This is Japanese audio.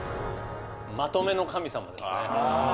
まとめの神様ですね。